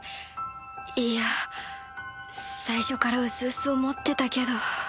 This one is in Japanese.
いや最初からうすうす思ってたけど